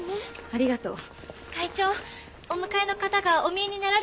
ありがとう。